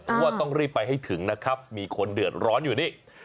เพราะว่าต้องรีบไปให้ถึงนะครับมีคนเดือดร้อนอยู่นี่